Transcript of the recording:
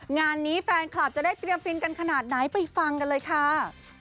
งานนี้แฟนคลับจะได้เตรียมฟินกันขนาดไหนไปฟังกันเลยค่ะ